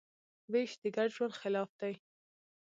وېش د ګډ ژوند خلاف دی.